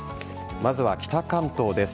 まずは北関東です。